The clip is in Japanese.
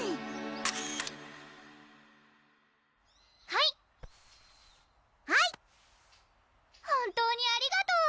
はいはい本当にありがとう